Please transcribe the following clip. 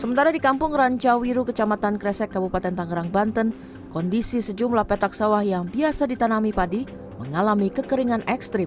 sementara di kampung rancawiru kecamatan kresek kabupaten tangerang banten kondisi sejumlah petak sawah yang biasa ditanami padi mengalami kekeringan ekstrim